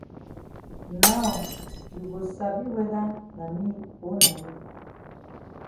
Now you go sabi whether na me o na you.